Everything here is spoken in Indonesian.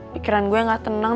pikiran gue gak tenang